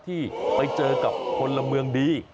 ที่ไปเจอกับพลเมืองดี